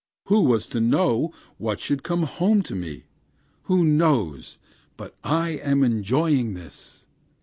Who was to know what should come home to me? Who knows but I am enjoying this?